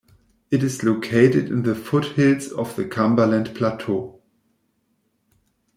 It is located in the foothills of the Cumberland Plateau.